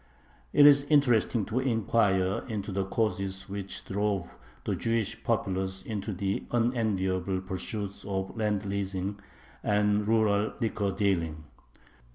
It is interesting to inquire into the causes which drove the Jewish populace into the unenviable pursuits of land leasing and rural liquor dealing.